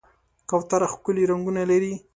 کوتره ښکلي رنګونه لري.